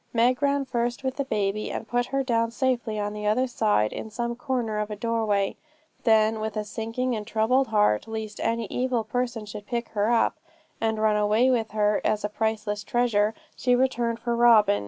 Meg ran first with the baby, and put her down safely on the other side in some corner of a doorway; then with a sinking and troubled heart, least any evil person should pick her up, and run away with her as a priceless treasure, she returned for Robin.